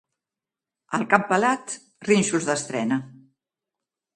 Al cap pelat, rínxols d'estrena.